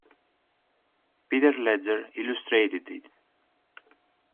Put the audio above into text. Peter Ledger illustrated it.